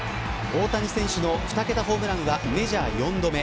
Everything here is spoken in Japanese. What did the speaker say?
大谷選手の２桁ホームランはメジャー４度目。